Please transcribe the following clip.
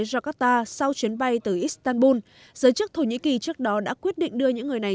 jakarta sau chuyến bay từ istanbul giới chức thổ nhĩ kỳ trước đó đã quyết định đưa những người này